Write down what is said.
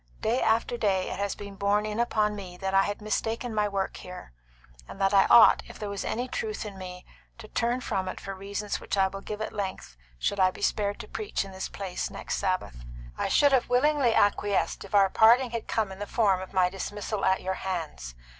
Day after day it has been borne in upon me that I had mistaken my work here, and that I ought, if there was any truth in me, to turn from it for reasons which I will give at length should I be spared to preach in this place next Sabbath. I should have willingly acquiesced if our parting had come in the form of my dismissal at your hands.